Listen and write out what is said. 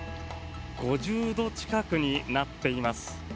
５０度近くになっています。